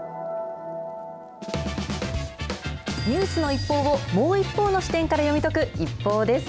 ニュースの一報を、もう一方の視点から読み解くＩＰＰＯＵです。